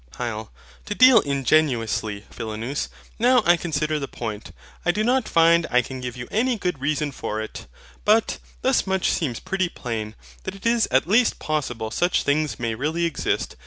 HYL. To deal ingenuously, Philonous, now I consider the point, I do not find I can give you any good reason for it. But, thus much seems pretty plain, that it is at least possible such things may really exist.